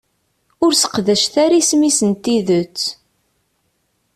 Ur seqdacet ara isem-is n tidet.